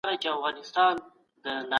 پيغمبر ص د رښتينولۍ امر کړی دی.